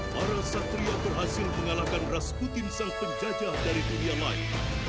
para satria berhasil mengalahkan ras putin sang penjajah dari dunia lain